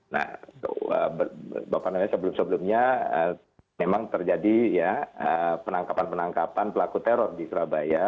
nah sebelum sebelumnya memang terjadi ya penangkapan penangkapan pelaku teror di surabaya